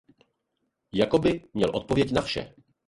Jakoby měl odpověď na vše.